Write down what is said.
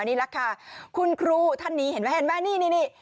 นี่แหละค่ะคุณครูท่านนี้เห็นไหมนี่